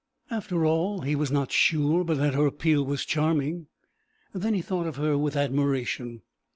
After all, he was not sure but that her appeal was charming. Then he thought of her with admiration.